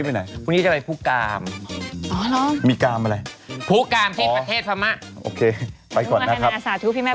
มันสุกแล้วใช่ไหมพรุ่งนี้เข้าเร็วนะคะพรุ่งสมหลักเขารับทรงศาสตร์